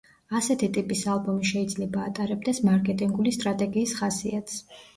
ასეთი ტიპის ალბომი შეიძლება ატარებდეს მარკეტინგული სტრატეგიის ხასიათს.